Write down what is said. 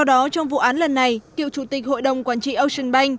do trong vụ án lần này cựu chủ tịch hội đồng quản trị ocean bank